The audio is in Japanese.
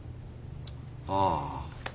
ああ。